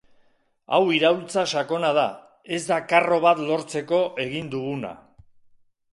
Hau iraultza sakona da, ez da karro bat lortzeko egin duguna.